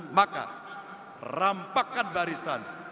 maka rampakkan barisan